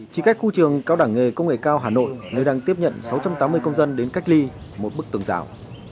chỉ cách khu trường cao đẳng nghề công nghệ cao hà nội nơi đang tiếp nhận sáu trăm tám mươi công dân đến cách ly một bức tường rào